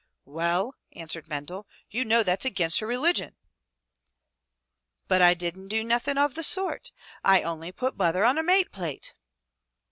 "Well," answered Mendel, "you know that's against her religion." "But I didn't do nothing of the sort! I only put butther on a mate plate."